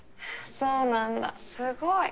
そうなんだすごい。